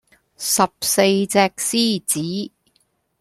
十四隻獅子